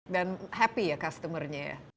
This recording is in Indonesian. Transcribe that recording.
dan happy ya customer nya